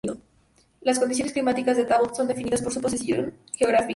Las condiciones climáticas de Tambov son definidas por su posición geográfica.